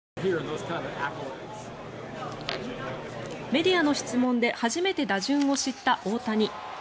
メディアの質問で初めて打順を知った大谷。